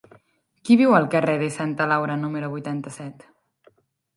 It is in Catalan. Qui viu al carrer de Santa Laura número vuitanta-set?